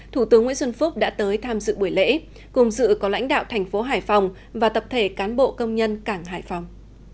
thủ tướng nguyễn xuân phúc đã tới tham dự buổi lễ cùng dự có lãnh đạo thành phố hải phòng và tập thể cán bộ công nhân cảng hải phòng